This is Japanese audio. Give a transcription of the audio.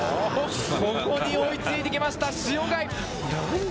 ここに追いついて来ました、塩貝。